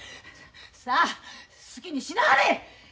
さあ好きにしなはれ！